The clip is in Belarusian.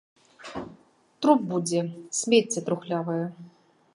Труп будзе, смецце трухлявае.